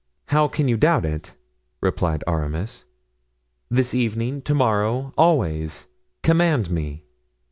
"How can you doubt it?" replied Aramis; "this evening, to morrow, always; command me."